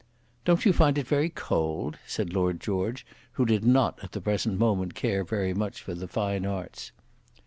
"Don't you find it very cold?" said Lord George, who did not at the present moment care very much for the fine arts.